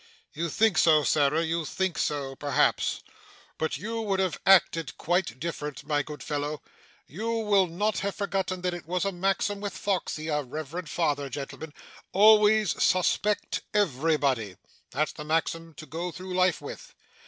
'You think so, Sarah, you think so perhaps; but you would have acted quite different, my good fellow. You will not have forgotten that it was a maxim with Foxey our revered father, gentlemen "Always suspect everybody." That's the maxim to go through life with!